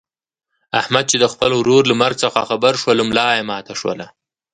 احمد چې د خپل ورور له مرګ څخه خبر شولو ملایې ماته شوله.